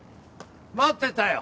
待ってたよ。